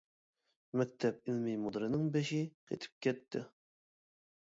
مەكتەپ ئىلمىي مۇدىرىنىڭ بېشى قېتىپ كەتتى.